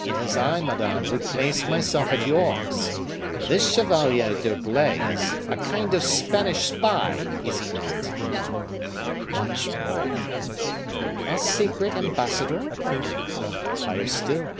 "It is I, madame, who place myself at yours. This Chevalier d'Herblay is a kind of Spanish spy, is he not?" "Much more." "A secret ambassador?" "Higher still."